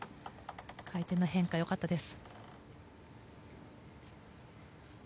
回転の変化、良かったです。